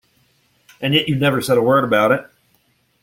And yet you never said a word about it!